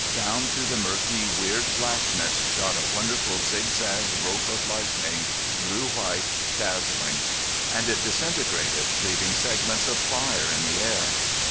Down through the murky, weird blackness shot a wonderful zigzag rope of lightning, blue white, dazzling; and it disintegrated, leaving segments of fire in the air.